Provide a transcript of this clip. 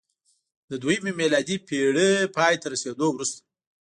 د دویمې میلادي پېړۍ پای ته رسېدو وروسته